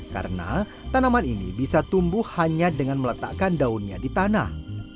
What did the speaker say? karena tanaman ini bisa tumbuh hanya dengan meletakkan daunnya di tanah